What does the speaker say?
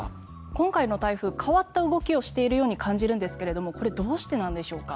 今回の台風変わった動きをしているようですがこれ、どうしてなんでしょうか。